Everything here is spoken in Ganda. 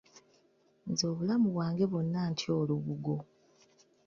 Nze obulamu bwange bwonna ntya olubugo.